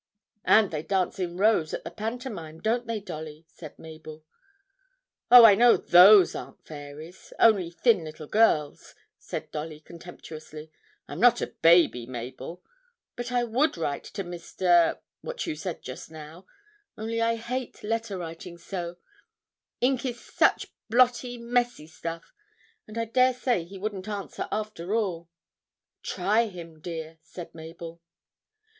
'And they dance in rows at the pantomime, don't they, Dolly?' said Mabel. 'Oh, I know those aren't fairies only thin little girls,' said Dolly contemptuously. 'I'm not a baby, Mabel, but I would write to Mr. what you said just now only I hate letter writing so ink is such blotty, messy stuff and I daresay he wouldn't answer after all.' 'Try him, dear,' said Mabel.